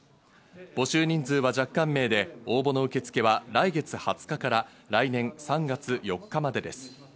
募集人数は若干名で応募の受付は来月２０日から来年３月４日までです。